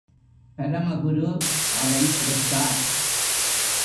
பரமகுரு அதை எடுத்தார்.